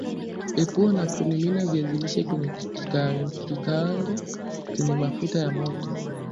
Epua na kumimina viazi lishe kwenye kikaango chenye mafuta ya moto